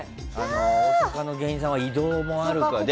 大阪の芸人さんは移動もあるから。